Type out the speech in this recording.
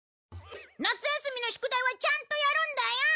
夏休みの宿題はちゃんとやるんだよ！